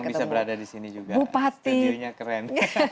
bisa berada di sini juga studionya keren